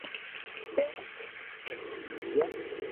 اي مون امون ني ترقي ملئي